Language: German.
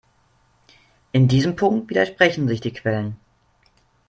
In diesem Punkt widersprechen sich die Quellen.